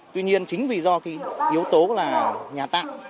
tuy nhiên chính vì do cái yếu tố là nhà tạm